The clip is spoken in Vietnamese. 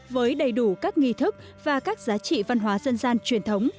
với đầy đủ các nghi thức và các giá trị văn hóa dân gian truyền thống